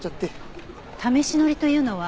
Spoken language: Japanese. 試し乗りというのは？